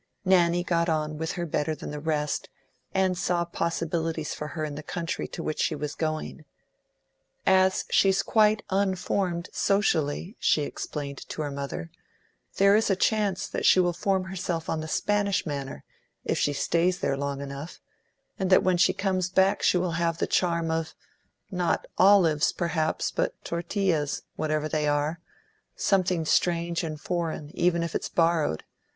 Nanny got on with her better than the rest, and saw possibilities for her in the country to which she was going. "As she's quite unformed, socially," she explained to her mother, "there is a chance that she will form herself on the Spanish manner, if she stays there long enough, and that when she comes back she will have the charm of, not olives, perhaps, but tortillas, whatever they are: something strange and foreign, even if it's borrowed.